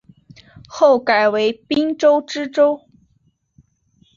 后改为滨州知州。